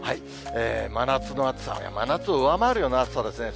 真夏の暑さ、真夏を上回るような暑さですね。